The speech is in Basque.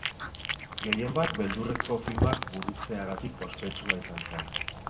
Gehienbat beldurrezko filmak burutzeagatik ospetsua izan zen.